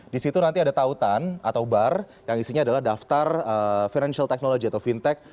di situ nanti ada tautan atau bar yang isinya adalah daftar financial technology atau fintech